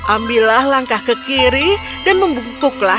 ambillah langkah ke kiri dan membungkuklah